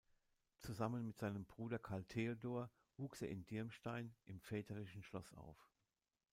Zusammen mit seinem Bruder Karl Theodor wuchs er in Dirmstein, im väterlichen Schloss auf.